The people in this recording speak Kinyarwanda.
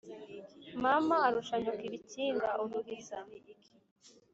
Mama arusha nyoko ibikinga-Uruhiza.